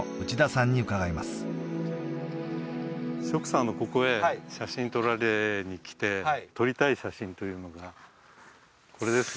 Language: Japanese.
ＳＨＯＣＫさんがここへ写真撮られに来て撮りたい写真というのがこれですよね